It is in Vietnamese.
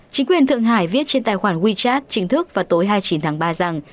chính quyền thượng hải viết trên tài khoản wechat chính thức vào tối hai mươi chín tháng ba rằng